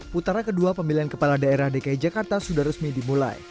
putaran kedua pemilihan kepala daerah dki jakarta sudah resmi dimulai